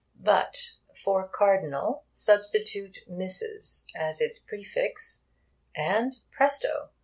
But for 'Cardinal' substitute 'Mrs.' as its prefix, and, presto!